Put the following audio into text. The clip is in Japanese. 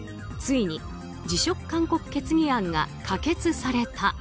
ついに辞職勧告決議案が可決された。